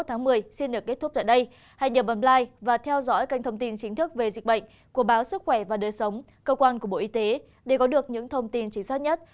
cảm ơn các bạn đã theo dõi và đăng ký kênh của báo sức khỏe và đời sống cơ quan của bộ y tế để có được những thông tin chính xác nhất